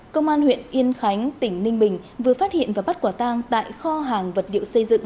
công an huyện yên khánh tỉnh ninh bình vừa phát hiện và bắt quả tang tại kho hàng vật liệu xây dựng